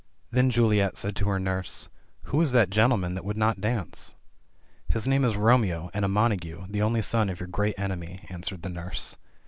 Then Juliet said to her nurse. "Who is that gentleman that would not dance ?" "His name is Romeo, and a Montagu, the only son of your great enemy," answered the nurse.